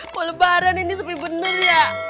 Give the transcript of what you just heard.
walaubarang ini sepi bener ya